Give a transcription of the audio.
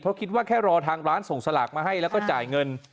เพราะคิดว่าแค่รอทางร้านส่งสลากมาให้แล้วก็จ่ายเงิน